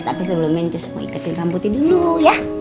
tapi sebelumnya cus mau iketin rambutnya dulu ya